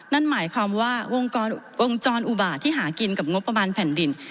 นั่นหมายความว่าวงจรอุบาตที่หากินกับงบประมาณแผ่นดิน